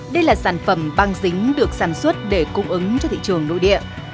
đây là sản phẩm băng dính được sản xuất để cung ứng cho thị trường nội địa